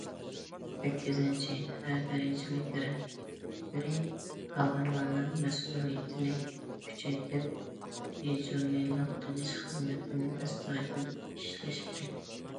سەككىزىنچى، ھەر دەرىجىلىك رەھبىرىي كادىرلارنىڭ مەسئۇلىيىتىنى كۈچەيتىپ، دىجورنىلىق قىلىش خىزمىتىنى ئەستايىدىل ئىشلەش كېرەك.